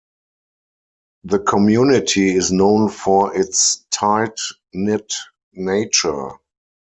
The community is known for its tight knit nature.